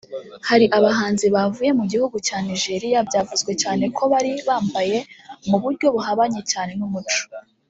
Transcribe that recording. Hari abahanzi bavuye mu gihugu cya Nigeria byavuzwe cyane ko bari bambaye mu buryo buhabanye cyane n’umuco